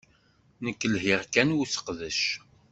Nekk lhiɣ kan i useqdec!